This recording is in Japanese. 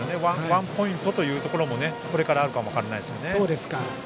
ワンポイントというところもあるかも分からないですね。